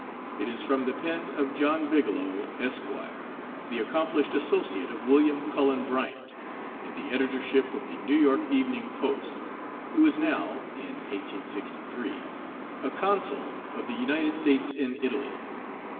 It is from the pen of John Bigelow, Esq., the accomplished associate of William Cullen Bryant, in the editorship of the New York Evening Post, who is now (in 1863) a consul of the United States in Italy.